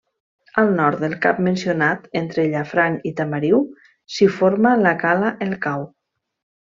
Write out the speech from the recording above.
Al nord del cap mencionat, entre Llafranc i Tamariu, s'hi forma la cala el Cau.